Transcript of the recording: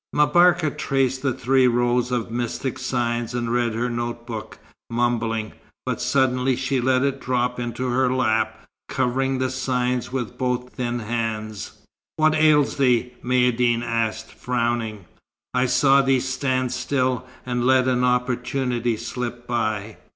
M'Barka traced the three rows of mystic signs, and read her notebook, mumbling. But suddenly she let it drop into her lap, covering the signs with both thin hands. "What ails thee?" Maïeddine asked, frowning. "I saw thee stand still and let an opportunity slip by."